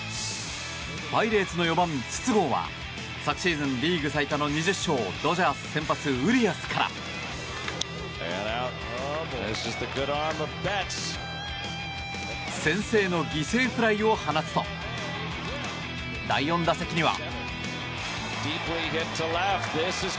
パイレーツの４番、筒香は昨シーズンリーグ最多の２０勝ドジャース先発、ウリアスから先生の犠牲フライを放つと第４打席には。